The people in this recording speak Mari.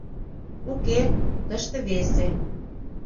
Уке, тыште весе.